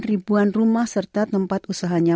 ribuan rumah serta tempat usahanya